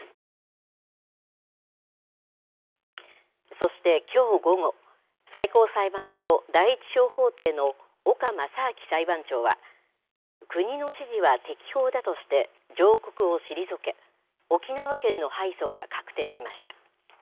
そしてきょう午後、最高裁判所第１小法廷の岡正晶裁判長は、国の指示は適法だとして上告を退け、沖縄県の敗訴が確定しました。